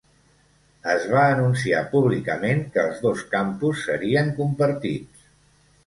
Es va anunciar públicament que els dos campus serien compartits.